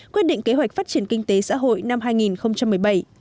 quyết định kế hoạch phát triển kinh tế xã hội năm hai nghìn một mươi bảy